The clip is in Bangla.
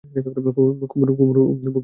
কুমুর বুকে শেল বিঁধল।